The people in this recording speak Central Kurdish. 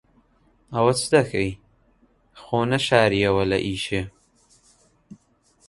ئەوە چ دەکەی؟ خۆ نەشارییەوە لە ئیشێ.